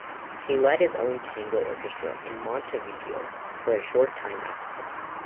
He led his own tango orchestra in Montevideo for a short time afterwards.